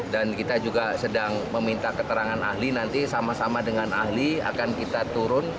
dan kita juga sedang meminta keterangan ahli nanti sama sama dengan ahli akan kita turun